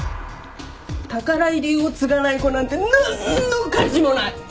宝居流を継がない子なんてなんの価値もない！